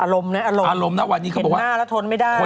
อารมณ์เนี่ยอารมณ์เห็นหน้าแล้วทนไม่ได้อารมณ์นะวันนี้เขาบอกว่า